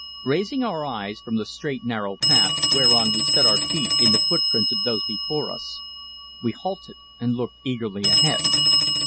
RAISING our eyes from the straight narrow path whereon we set our feet in the footprints of those before us, we halted and looked eagerly ahead.